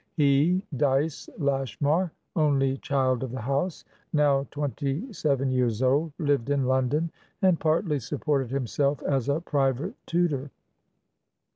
He, Dyce Lashmar, only child of the house, now twenty seven years old, lived in London, and partly supported himself as a private tutor.